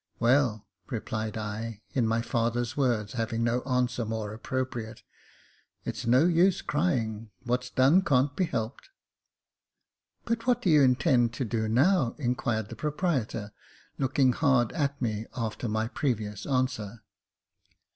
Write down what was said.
""Well," replied I, in my father's words, having no answer more appropriate, " it's no use crying ; what's done can't be helped." " But what do you intend to do now ?" inquired the proprietor, looking hard at me after my previous answer.